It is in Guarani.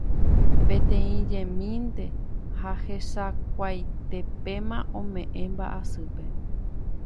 Peteĩ jeymínte ha hesakuaitépema ome'ẽ mba'asýpe.